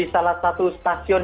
salah satu stasiun